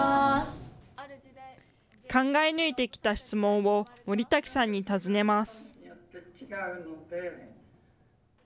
考え抜いてきた質問を森瀧さんに尋ねます。